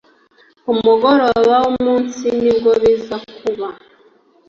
Ku mugoroba w'umunsi nibwo biza kuba